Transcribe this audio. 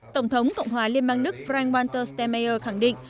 tổng thống cộng hòa liên bang đức frank walter stemmeier khẳng định